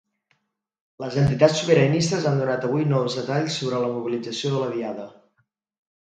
Les entitats sobiranistes han donat avui nous detalls sobre la mobilització de la Diada.